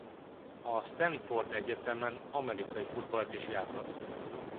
A Stanford Egyetemen amerikai futballt is játszott.